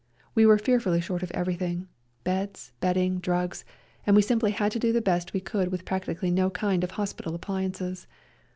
We were fear fully short of everything, beds, bedding, drugs, and we simply had to do the best we could with practically no kind of hospital appliances.